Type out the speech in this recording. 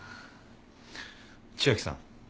千晶さん。